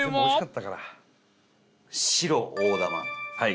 はい。